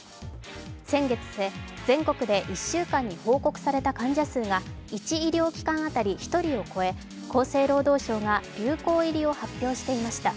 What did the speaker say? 先月末、全国で１週間に報告された患者数が１医療機関当たり１人を超え厚生労働省が流行入りを発表していました。